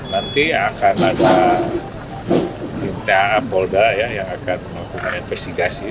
nanti akan ada tim taa polda ya yang akan melakukan investigasi